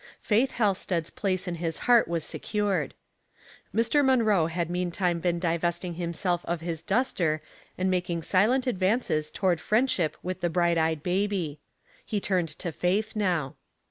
Faith Halsted's place in his heart was secured. Mr. Manroe had meantime been divesting himself of his duster and making silent advances toward friendship with the bright eyed baby. He turned to Faith now.